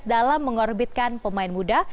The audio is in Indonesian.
dalam mengorbitkan pemain muda